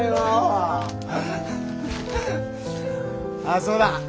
あっそうだ。